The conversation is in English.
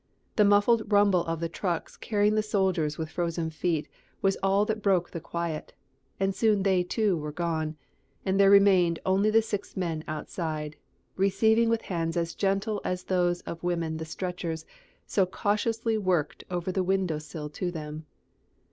The muffled rumble of the trucks carrying the soldiers with frozen feet was all that broke the quiet, and soon they, too, were gone; and there remained only the six men outside, receiving with hands as gentle as those of women the stretchers so cautiously worked over the window sill to them.